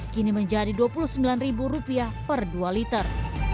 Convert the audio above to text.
kini menjadi rp dua puluh sembilan per dua liter